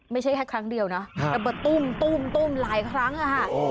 ไม่ใช่แค่ครั้งเดียวนะระเบิดตุ้มตุ้มตุ้มหลายครั้งอ่ะฮะ